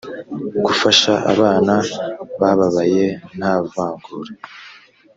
gufasha abana bababaye nta vangura